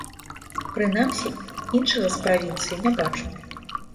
Прынамсі, іншага з правінцыі не бачу.